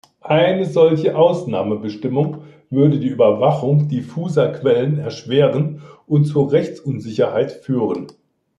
Eine solche Ausnahmebestimmung würde die Überwachung diffuser Quellen erschweren und zu Rechtsunsicherheit führen.